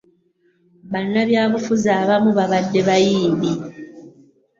Bannabyabufuzi abamu babadde bayimbi.